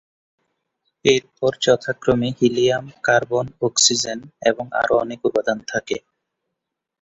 এর পর যথাক্রমে হিলিয়াম, কার্বন, অক্সিজেন এবং আরও অনেক উপাদান থাকে।